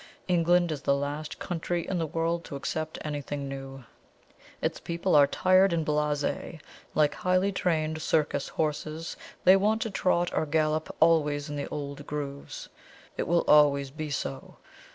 England is the last country in the world to accept anything new. Its people are tired and blase; like highly trained circus horses, they want to trot or gallop always in the old grooves. It will always be so.